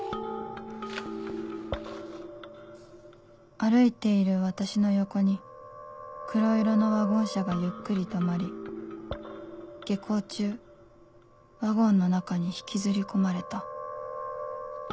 「歩いている私の横に黒色のワゴン車がゆっくり止まり下校中ワゴンの中に引きずり込まれた」